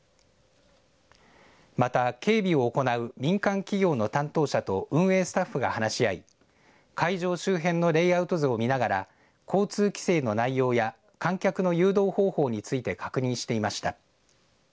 また警備を行う民間企業の担当者と運営スタッフが話し合い会場周辺のレイアウト図を見ながら交通規制の内容や観客の誘導方法について確認していました。